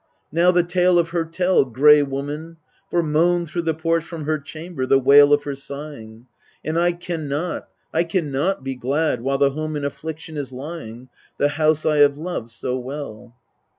Now the tale of her tell, Gray woman ; for moaned through the porch from her chamber the wail of her sighing ; And I can not, I can not be glad while the home in afflic tion is lying, The house I have loved so well.